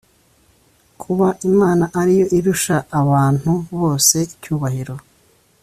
Kuba Imana ari yo irusha abantu bose icyubahiro